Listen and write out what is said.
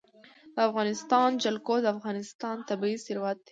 د افغانستان جلکو د افغانستان طبعي ثروت دی.